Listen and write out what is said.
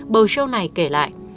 bầu show này kể lại